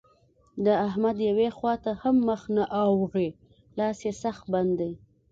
د احمد يوې خوا ته هم مخ نه اوړي؛ لاس يې سخت بند دی.